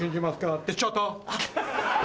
ってちょっと！